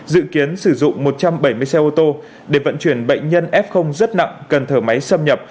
dự kiến sử dụng một trăm bảy mươi xe ô tô để vận chuyển bệnh nhân f rất nặng cần thở máy xâm nhập